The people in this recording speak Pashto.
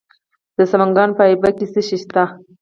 د سمنګان په ایبک کې څه شی شته؟